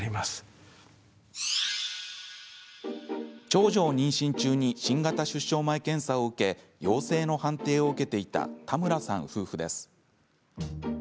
長女を妊娠中に新型出生前検査を受け陽性の判定を受けていた田村さん夫婦です。